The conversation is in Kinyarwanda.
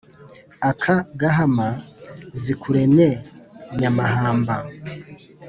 aka gahama zikuremye nyamahamba,